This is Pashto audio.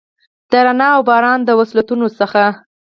د رڼا اوباران، د وصلتونو څخه،